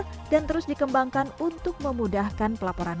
private by design memungkinkan pelapor untuk menyembunyikan fungsi dan keamanan pelaporan